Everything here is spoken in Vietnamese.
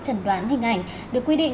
chẩn đoán hình ảnh được quy định